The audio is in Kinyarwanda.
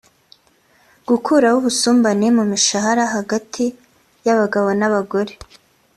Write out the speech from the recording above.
gukuraho ubusumbane mu mishahara hagati y’abagabo n’abagore